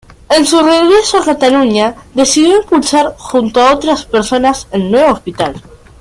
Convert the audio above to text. En su regreso a Cataluña decidió impulsar, junto a otras personas, el nuevo hospital.